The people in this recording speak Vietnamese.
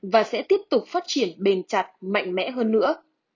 và sẽ tiếp tục phát triển bền chặt mạnh mẽ hơn nữa